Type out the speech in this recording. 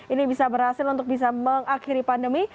ini bisa berhasil untuk bisa mengakhiri pandemi